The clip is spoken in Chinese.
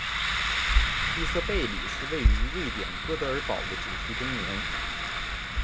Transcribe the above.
利瑟贝里是位于瑞典哥德堡的主题公园。